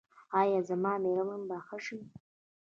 ایا زما میرمن به ښه شي؟